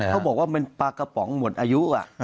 เขาบอกว่ามันปลากระป๋องหมดอายุ